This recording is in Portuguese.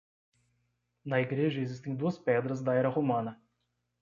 Na igreja existem duas pedras da era romana.